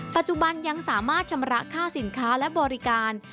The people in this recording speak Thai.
ปัจจุบันยังสามารถชำระค่าสินค้าและบริการ